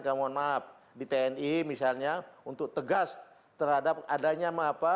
saya mohon maaf di tni misalnya untuk tegas terhadap adanya